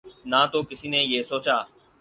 نہ تو کسی نے یہ سوچا